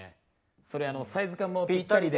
それサイズ感もぴったりで。